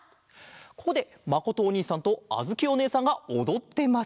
ここでまことおにいさんとあづきおねえさんがおどってます。